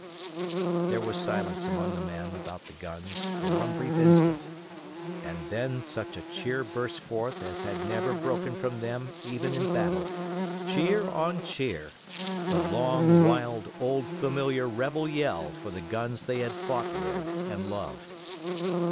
There was silence among the men about the guns for one brief instant and then such a cheer burst forth as had never broken from them even in battle: cheer on cheer, the long, wild, old familiar rebel yell for the guns they had fought with and loved.